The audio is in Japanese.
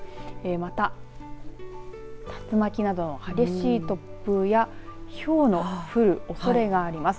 また、竜巻などの激しい突風やひょうの降るおそれがあります。